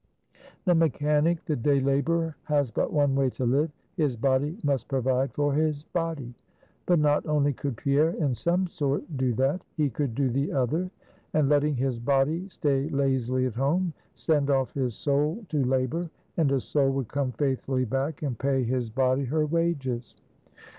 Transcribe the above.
The mechanic, the day laborer, has but one way to live; his body must provide for his body. But not only could Pierre in some sort, do that; he could do the other; and letting his body stay lazily at home, send off his soul to labor, and his soul would come faithfully back and pay his body her wages.